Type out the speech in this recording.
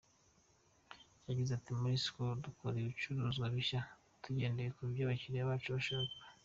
Yagize ati"Muri Skol dukora ibicuruzwa bishya tugendeye ku byo abakiliya bacu bashaka.